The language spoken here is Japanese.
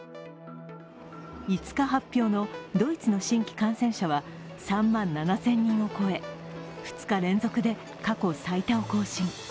５日発表のドイツの新規感染者は３万７０００人を超え、２日連続で過去最多を更新。